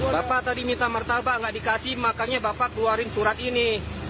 bapak tadi minta martabak nggak dikasih makanya bapak keluarin surat ini